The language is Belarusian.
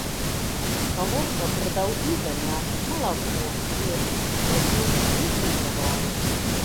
Гаворка пра даўгі да мяса, малако, хлеб, тытунь і іншыя тавары.